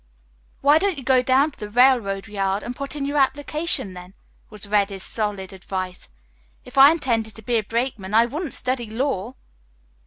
"Why don't you go down to the railroad yard and put in your application, then?" was Reddy's stolid advice. "If I intended to be a brakeman I wouldn't study law."